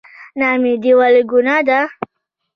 نااميدي ولې ګناه ده؟